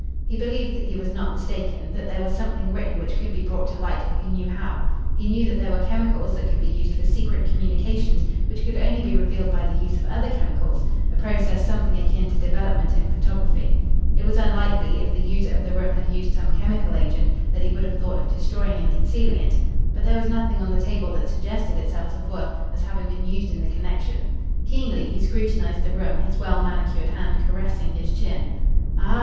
He believed that he was not mistaken, that there was something written which could be brought to light if he knew how. He knew that there were chemicals that could be used for secret communications which could only be revealed by the use of other chemicals a process something akin to development in photography. It was unlikely, if the user of the room had used some chemical agent, that he would have thought of destroying and concealing it. But there was nothing on the table that suggested itself to Foyle as having been used in the connection. Keenly he scrutinised the room, his well manicured hand caressing his chin. "Ah!"